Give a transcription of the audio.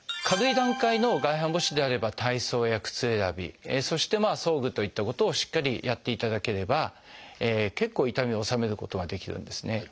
軽い段階の外反母趾であれば体操や靴選びそして装具といったことをしっかりやっていただければ結構痛みを治めることはできるんですね。